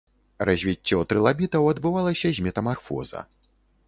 Развіццё трылабітаў адбывалася з метамарфоза.